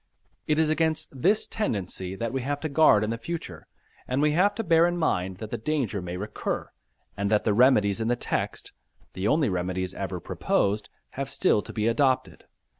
It is against this tendency that we have to guard in the future, and we have to bear in mind that the danger may recur, and that the remedies in the text (the only remedies ever proposed) have still to be adopted.